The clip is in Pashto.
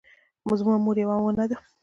زما مور یوه ونه وه